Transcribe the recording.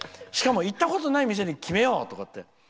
しかも行ったことない店に決めようって。